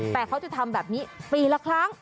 แต่เขาจะทำแบบนี้ปีละครั้ง